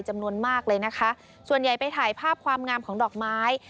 จำนวนมากเลยนะคะส่วนใหญ่ไปถ่ายภาพความงามของดอกไม้